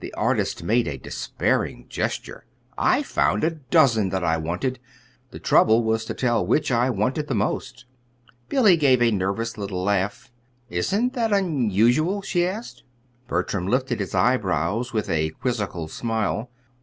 The artist made a despairing gesture. "I found a dozen that I wanted. The trouble was to tell which I wanted the most." Billy gave a nervous little laugh. "Isn't that unusual?" she asked. Bertram lifted his eyebrows with a quizzical smile.